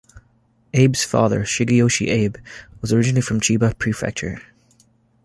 Abe's father, Shigeyoshi Abe, was originally from Chiba Prefecture.